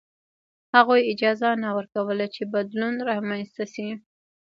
هغوی اجازه نه ورکوله چې بدلون رامنځته شي.